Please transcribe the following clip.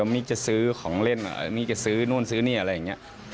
มี่จะซื้อของเล่นมี่จะซื้อนู่นซื้อนี่อะไรอย่างนี้